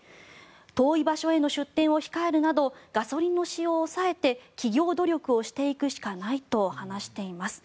遠い場所への出店を控えるなどガソリンの使用を抑えて企業努力をしていくしかないと話しています。